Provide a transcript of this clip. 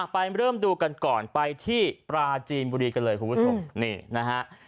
ไปเริ่มดูกันก่อนไปที่ปราจีนบุรีกันเลยคุณผู้ชมนี่นะฮะ